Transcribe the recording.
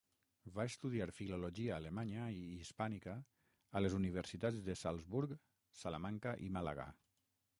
Va estudiar Filologia alemanya i hispànica a les universitats de Salzburg, Salamanca i Màlaga.